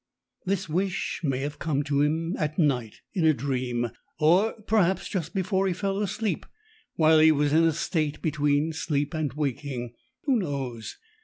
This wish may have come to him at night in a dream, or perhaps just before he fell asleep, while he was in a state between sleep and waking. Who knows?